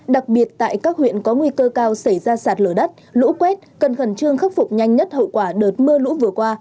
đặc biệt tại các huyện có nguy cơ cao xảy ra sạt lở đất lũ quét cần khẩn trương khắc phục nhanh nhất hậu quả đợt mưa lũ vừa qua